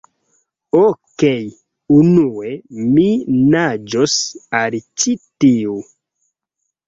Okej. Unue mi naĝos al ĉi tiu...